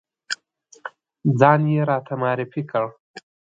ځان یې راته معرفی کړ.